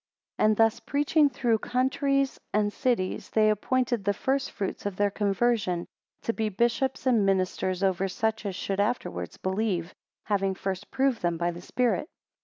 4 And thus preaching through countries and cities, they appointed the first fruits of their conversion to be bishops and ministers over such as should afterwards believe, having first proved them by the Spirit.